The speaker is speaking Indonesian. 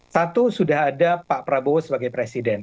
satu sudah ada pak prabowo sebagai presiden